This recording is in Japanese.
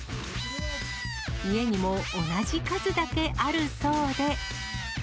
家にも同じ数だけあるそうで。